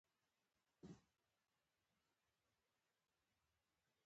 دومره ډېر يخ و چې اغوستي کالي راپسې وچ شول.